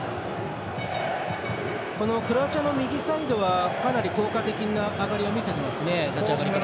クロアチアの右サイドはかなり効果的な上がりを見せていますね立ち上がりから。